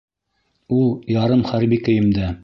Ул ярым хәрби кейемдә.